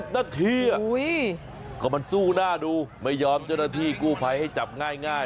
นาทีก็มันสู้หน้าดูไม่ยอมเจ้าหน้าที่กู้ภัยให้จับง่าย